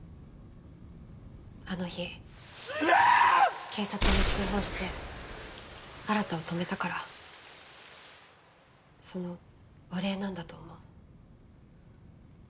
あの日警察に通報して新を止めたからそのお礼なんだと思う。